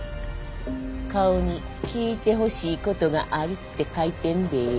顔に聞いてほしいことがあるって書いてんでぇ。